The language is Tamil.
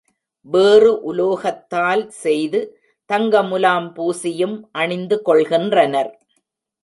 வேறு உலோகத்தால் செய்து, தங்க முலாம் பூசியும் அணிந்து கொள்கின்றனர்.